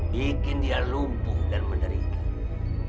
bikin dia lumpuh dan menderitanya